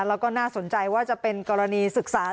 แล้วก็น่าสนใจว่าจะเป็นกรณีศึกษา